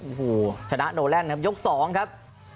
โอ้โหชนะโนแลนด์ครับยก๒ครับ